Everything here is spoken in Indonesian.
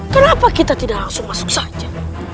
kenapa kita tidak langsung masuk saja